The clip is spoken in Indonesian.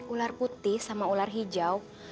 ular putih sama ular hijau